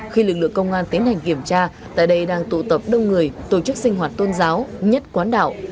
khi lực lượng công an tiến hành kiểm tra tại đây đang tụ tập đông người tổ chức sinh hoạt tôn giáo nhất quán đạo